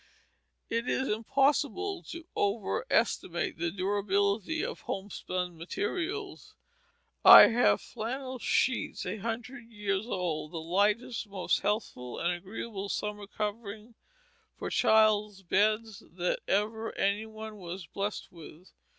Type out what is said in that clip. It is impossible to overestimate the durability of homespun materials. I have "flannel sheets" a hundred years old, the lightest, most healthful, and agreeable summer covering for children's beds that ever any one was blessed with.